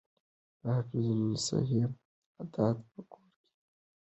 د حفظ الصحې عادات په کور کې پیل کیږي.